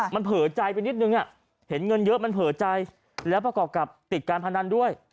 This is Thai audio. มันเผลอใจไปนิดนึงเห็นเงินเยอะมันเผลอใจแล้วประกอบกับติดการพนันด้วย